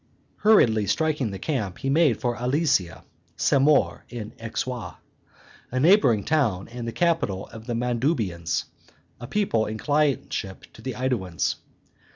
Hurriedly striking his camp, he made for Alesia (Semur in Auxois), a neighboring town and the capital of the Mandubians, a peoplet in clientship to the AEduans.